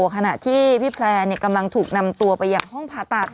ขณะที่พี่แพร่กำลังถูกนำตัวไปยังห้องผ่าตัด